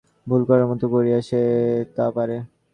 অতি সহজে, অন্যমনস্ক অবস্থায় ভুল করার মতো করিয়াও, সে তা পারে।